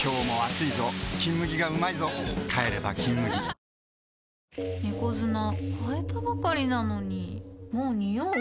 今日も暑いぞ「金麦」がうまいぞ帰れば「金麦」猫砂替えたばかりなのにもうニオう？